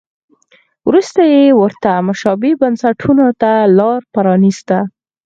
وروسته یې ورته مشابه بنسټونو ته لار پرانیسته.